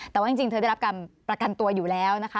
แต่ว่าจริงเธอได้รับการประกันตัวอยู่แล้วนะคะ